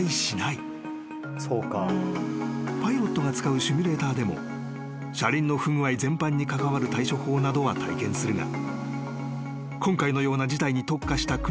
［パイロットが使うシミュレーターでも車輪の不具合全般に関わる対処法などは体験するが］